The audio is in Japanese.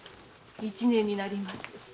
一年になります。